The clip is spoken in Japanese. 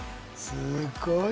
すごい。